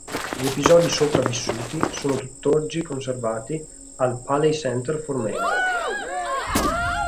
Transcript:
Gli episodi sopra vissuti sono tutt'oggi conservati al Paley Center for Media.